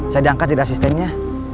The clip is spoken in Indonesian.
saya diangkat jadi asistennya